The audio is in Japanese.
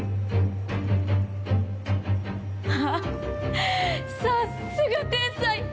あっさっすが天才！